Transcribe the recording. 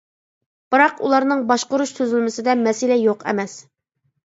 بىراق ئۇلارنىڭ باشقۇرۇش تۈزۈلمىسىدە مەسىلە يوق ئەمەس.